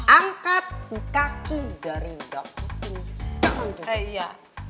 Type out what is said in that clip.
angkat kaki dari dapur ini